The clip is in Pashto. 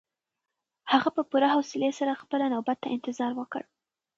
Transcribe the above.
هغه په پوره حوصلي سره خپله نوبت ته انتظار وکړ.